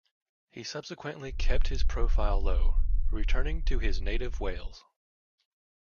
He subsequently kept his profile low, returning to his native Wales.